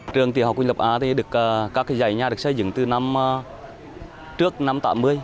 trường tiểu học quỳnh lập a các dãy nhà được xây dựng từ năm trước năm tám mươi